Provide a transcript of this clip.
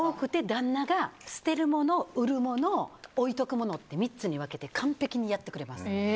旦那が捨てるもの売るもの、置いとく物って３つに分けて完ぺきにやってくれます。